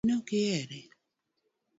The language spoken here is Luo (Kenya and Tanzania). inokihere?